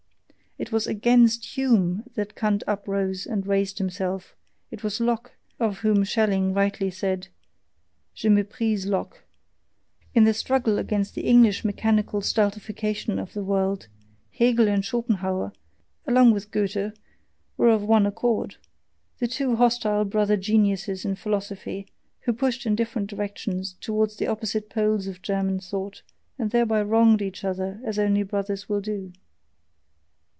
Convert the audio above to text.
It was AGAINST Hume that Kant uprose and raised himself; it was Locke of whom Schelling RIGHTLY said, "JE MEPRISE LOCKE"; in the struggle against the English mechanical stultification of the world, Hegel and Schopenhauer (along with Goethe) were of one accord; the two hostile brother geniuses in philosophy, who pushed in different directions towards the opposite poles of German thought, and thereby wronged each other as only brothers will do.